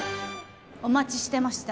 お待ちしてました。